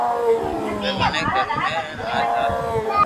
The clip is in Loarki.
ھمي مني ڪر وہ ھي ڪي آج رات رو